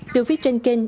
từ phía trên kênh